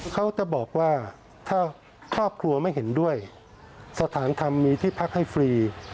เขาจะบอกว่าถ้าครอบครัวไม่เห็นด้วยสถานทำมีที่พักให้ฟรี